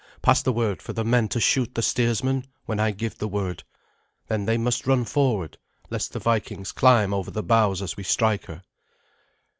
Pass the word for the men to shoot the steersman when I give the word. Then they must run forward, lest the Vikings climb over the bows as we strike her."